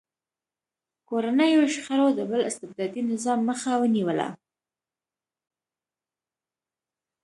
کورنیو شخړو د بل استبدادي نظام مخه ونیوله.